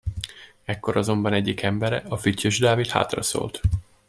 Ekkor azonban egyik embere, a Füttyös Dávid hátraszólt.